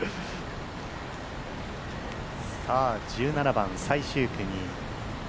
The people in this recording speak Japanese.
１７番、最終組。